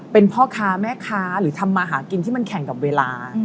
เป็นพ่อค้าแม่ค้าหรือทำมาหากินที่มันแข่งกับเวลา